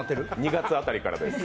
２月辺りからです。